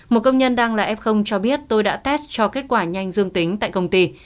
một công nhân đang là f cho biết tôi đã test cho kết quả nhanh dương tính tại công ty